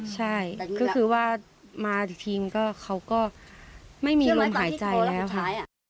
ใช่คือว่ามาทางทีมบ้านก็ไม่มีร่วมหายใจแล้วค่ะ